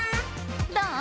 どう？